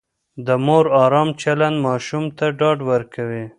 د مور ارام چلند ماشوم ته ډاډ ورکوي.